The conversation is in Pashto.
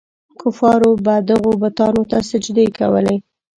کفارو به دغو بتانو ته سجدې کولې.